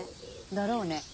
だろうね。